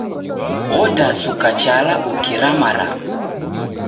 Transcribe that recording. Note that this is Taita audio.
Odasuka chala ukiramarama